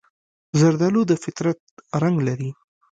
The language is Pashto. زردالو د فطرت رنګ لري.